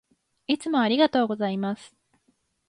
いつもありがとうございます。